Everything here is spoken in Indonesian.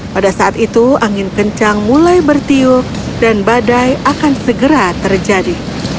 pada saat itu angin kencang mulai bertiup dan badai akan segera terjadi